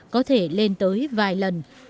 có thể lên tới vài lần